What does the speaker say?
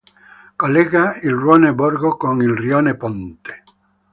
Collega il rione Borgo con il rione Ponte.